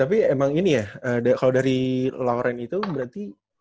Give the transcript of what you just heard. tapi emang ini ya kalau dari lawren itu berarti